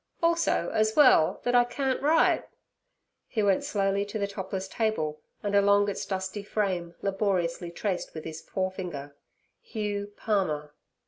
'Also az well, thet I can't write.' He went slowly to the topless table, and along its dusty frame laboriously traced with his forefinger 'Hugh Palmer.'